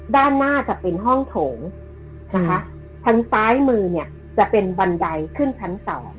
ด้านหน้าจะเป็นห้องโถงทางซ้ายมือจะเป็นบันไดขึ้นชั้น๒